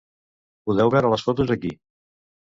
Podeu veure les fotos aquí.